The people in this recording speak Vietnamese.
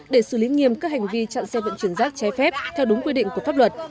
để xử lý nghiêm các hành vi chặn xe vận chuyển rác trái phép theo đúng quy định của pháp luật